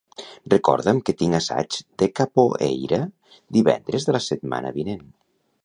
Recorda'm que tinc assaig de capoeira divendres de la setmana vinent.